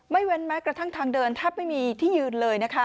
ไม่เว้นแม็กซ์กระทั่งทางเดินแทบไม่มีที่ยืนเลย